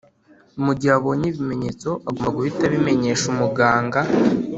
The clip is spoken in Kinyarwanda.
Mugihe abonye ibimenyetso agomba guhita abimenyesha umuganga